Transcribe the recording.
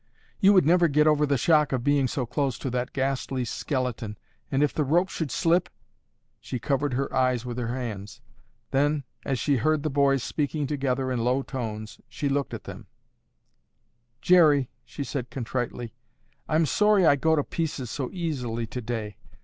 "You would never get over the shock of being so close to that ghastly skeleton and if the rope should slip—" she covered her eyes with her hands. Then, as she heard the boys speaking together in low tones, she looked at them. "Jerry," she said contritely, "I'm sorry I go to pieces so easily today.